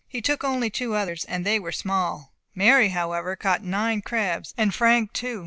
He took only two others, and they were small. Mary, however, caught nine crabs, and Frank two.